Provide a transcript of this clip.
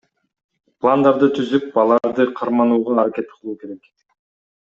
Пландарды түзүп, аларды карманууга аракет кылуу керек.